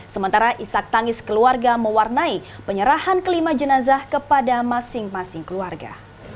sementara isak tangis keluarga mewarnai penyerahan kelima jenazah kepada masing masing keluarga